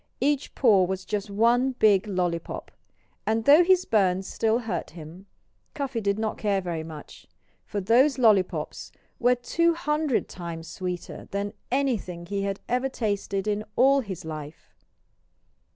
Each paw was just one big lollypop! And though his burns still hurt him, Cuffy did not care very much. For those lollypops were two hundred times sweeter than anything he had ever tasted in all his life!